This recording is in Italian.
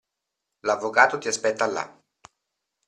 L'avvocato ti aspetta là.